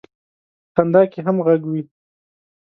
په خندا کې هم غږ وي.